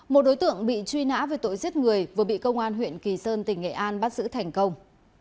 một đối tượng bị truy nã về tội giết người vừa bị công an huyện kỳ sơn tỉnh nghệ an bắt giữ thành công